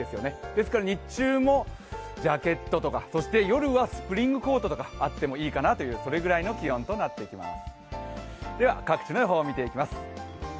ですから日中もジャケットとかそして夜はスプリングコートがあってもいいかなという、それくらいの気温となっています。